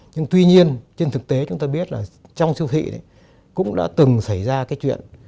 nhưng tuy nhiên trên thực tế chúng ta biết là trong siêu thị cũng đã từng xảy ra chuyện